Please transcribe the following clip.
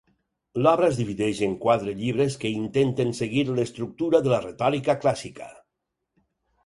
L'obra es divideix en quatre llibres que intenten seguir l'estructura de la retòrica clàssica.